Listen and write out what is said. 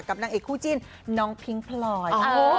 นางเอกคู่จิ้นน้องพิ้งพลอย